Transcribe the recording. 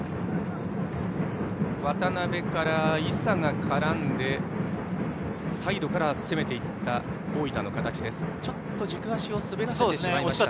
渡邉から伊佐が絡んでサイドから攻めていった大分の形でした。